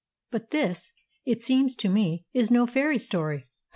But this, it seems to me, is no fairy story."